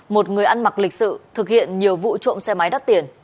một người ăn mặc lịch sự